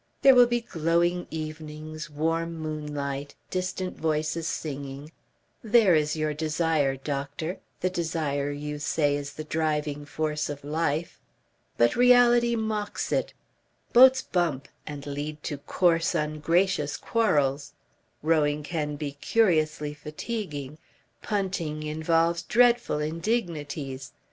There will be glowing evenings, warm moonlight, distant voices singing....There is your desire, doctor, the desire you say is the driving force of life. But reality mocks it. Boats bump and lead to coarse ungracious quarrels; rowing can be curiously fatiguing; punting involves dreadful indignities.